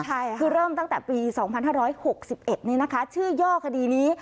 คือเริ่มตั้งแต่ปี๒๕๖๑ชื่อย่อคดีนี้